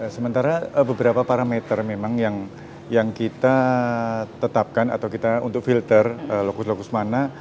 sementara beberapa parameter memang yang kita tetapkan atau kita untuk filter lokus lokus mana